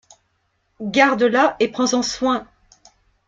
Garde-la et prends-en soin.